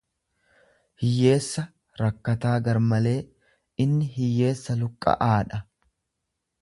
hiyyeessa, rakkataa gar malee; Inni hiyeessa luqqa'ąadha.